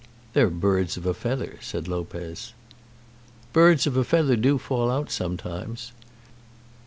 "They're birds of a feather," said Lopez. "Birds of a feather do fall out sometimes.